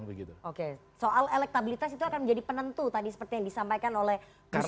soal elektabilitas itu akan menjadi penentu seperti yang disampaikan oleh kusrom